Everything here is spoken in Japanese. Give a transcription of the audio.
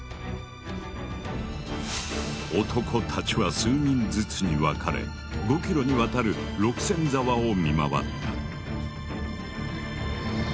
男たちは数人ずつに分かれ５ｋｍにわたる六線沢を見回った。